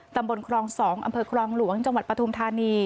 ครอง๒อำเภอครองหลวงจังหวัดปฐุมธานี